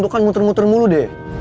lo kan muter muter mulu deh